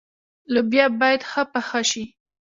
لوبیا باید ښه پخه شي.